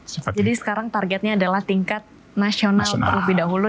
jadi sekarang targetnya adalah tingkat nasional lebih dahulu